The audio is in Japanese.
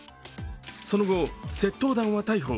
その後、窃盗団は逮捕。